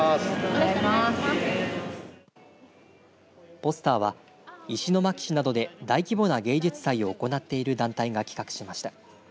ポスターは石巻市などで大規模な芸術祭を行っている団体が企画しました。